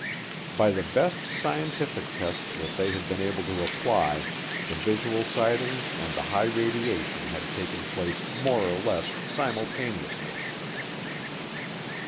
By the best scientific tests that they had been able to apply, the visual sightings and the high radiation had taken place more or less simultaneously.